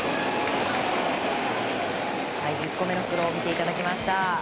１０個目のスローを見ていただきました。